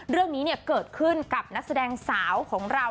เรื่องนี้เกิดขึ้นกับนักแสดงสาวของเรา